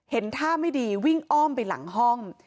เห็นท่าไม่ดีวิ่งอ้อมไปหลังห้อง